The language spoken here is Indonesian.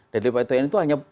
dari pt un itu hanya